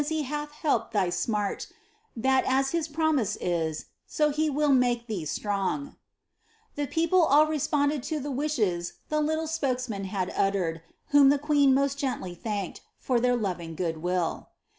since he hath helpt thy smart, That as his promise is, so he will make thee strung/' The people all responded to the wishes the little spokesman had uttered, whom the queen most gently thanked, for their loving good viJI.